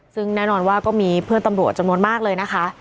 ซึ่งแน่นอนว่าก็มีเพื่อนตำรวจจำนวนมากเลยนะคะ